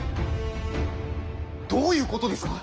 どういうことですか？